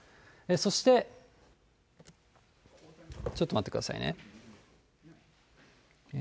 そして、ちょっと待ってくださいね。